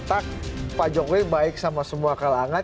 pak jokowi baik sama semua kalangan